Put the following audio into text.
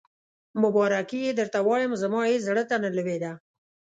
مبارکي یې درته وایم، زما هېڅ زړه ته نه لوېده.